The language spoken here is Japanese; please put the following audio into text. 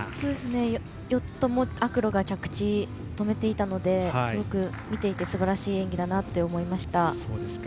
４つともアクロが着地止めていたので、すごく見ていてすばらしい演技だなと思いました。